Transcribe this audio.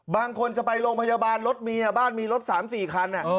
บางคนจะไปโรงพยาบาลรถเมียบ้านมีรถ๓๔คัน